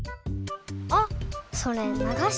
あっそれながし